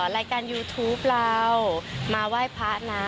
รายการยูทูปเรามาไหว้พระนะ